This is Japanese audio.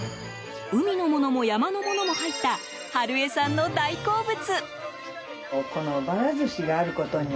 海のものも山のものも入った晴枝さんの大好物。